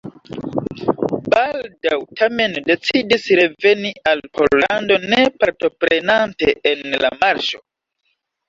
Baldaŭ tamen decidis reveni al Pollando ne partoprenante en la marŝo.